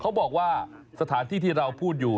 เขาบอกว่าสถานที่ที่เราพูดอยู่